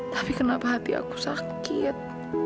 tapi kenapa hati aku sakit